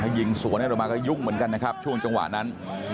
ยิงสวนอะไรลงมาก็ยุ่งเหมือนกันนะครับช่วงจังหวะนั้น